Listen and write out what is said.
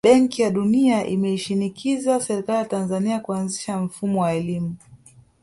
Benki ya dunia imeishinikiza serikali ya Tanzania kuanzisha mfumo wa elimu